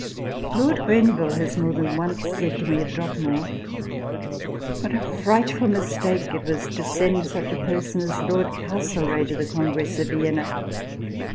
Lord Grenville has more than once said to me at Dropmore, " What a frightful mistake it was to send such a person as Lord Castlereagh to the Congress of Vienna